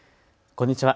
こんにちは。